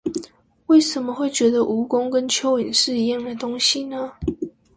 為什麼會覺得蜈蚣跟蚯蚓是一樣的東西呢？